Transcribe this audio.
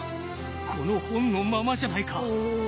この本のままじゃないか！